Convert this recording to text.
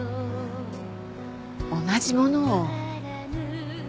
同じものを。